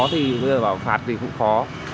thì bây giờ bảo phạt thì cũng khó